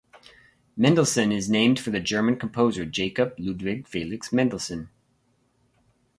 Mendelssohn is named for the German composer Jakob Ludwig Felix Mendelssohn.